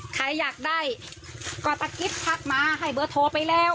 ใครอยากได้ก็ตะกิ๊บทักมาให้เบอร์โทรไปแล้ว